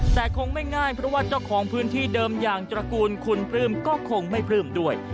แต่คงไม่ง่ายเพราะว่าเจ้าของพื้นที่เดิมอย่างตระกูลคุณปลื้มก็คงไม่ปลื้มด้วย